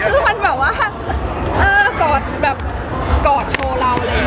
คือมันแบบว่ากอดโชว์เรา